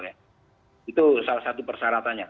itu salah satu persyaratannya